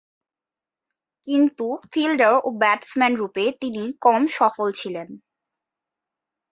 কিন্তু ফিল্ডার ও ব্যাটসম্যানরূপে তিনি কম সফল ছিলেন।